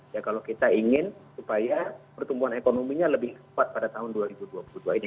ya kalau kita ingin supaya pertumbuhan ekonominya lebih kuat pada tahun dua ribu dua puluh dua ini